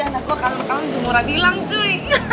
anak gua kalem kalem semurah dihilang cuy